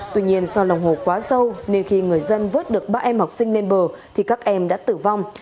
tuy nhiên do lòng hồ quá sâu nên khi người dân vớt được ba em học sinh lên bờ thì các em đã tử vong